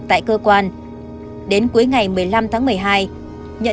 tìm ra manh mối